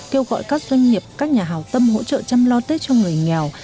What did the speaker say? kêu gọi các doanh nghiệp các nhà hào tâm hỗ trợ chăm lo tết cho người nghèo